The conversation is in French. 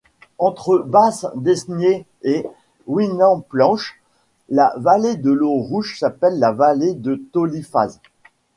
Entre Basse-Desnié et Winamplanche, la vallée de l'Eau Rouge s'appelle la vallée de Tolifaz.